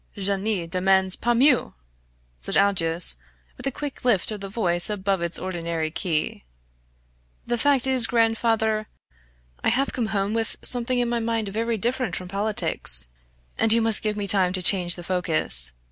"Je ne demands pas mieux!" said Aldous with a quick lift of the voice above its ordinary key. "The fact is, grandfather, I have come home with something in my mind very different from politics and you must give me time to change the focus.